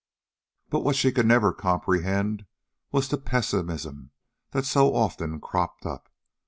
But what she could never comprehend was the pessimism that so often cropped up.